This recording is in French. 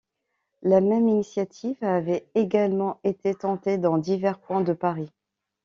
La même initiative avait également été tentée dans divers points de Paris.